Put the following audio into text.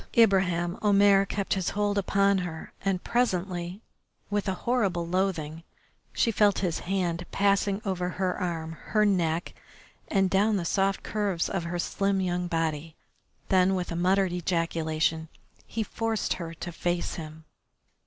Ibraheim Omair kept his hold upon her, and presently, with a horrible loathing, she felt his hand passing over her arm, her neck, and down the soft curves of her slim young body, then with a muttered ejaculation he forced her to face him.